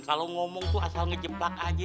kalau ngomong tuh asal ngejebak aja